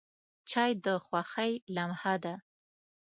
چای د خوښۍ لمحه ده.